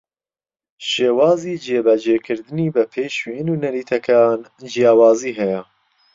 شێوازی جێبەجێکردنی بەپێی شوێن و نەریتەکان جیاوازی ھەیە